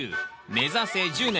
「目指せ１０年！